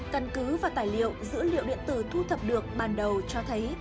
căn cứ và tài liệu dữ liệu điện tử thu thập được ban đầu cho thấy